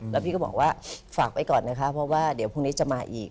แล้วพี่ก็บอกว่าฝากไว้ก่อนนะคะเพราะว่าเดี๋ยวพรุ่งนี้จะมาอีก